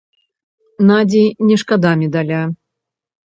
Надзі не шкада медаля.